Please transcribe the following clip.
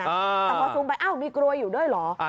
แต่พอซูมไปอ้าวมีกลวยอยู่ด้วยเหรอ